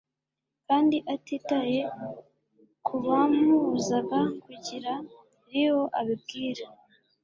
kandi atitaye ku bamubuzaga kugira Liwo abibwira,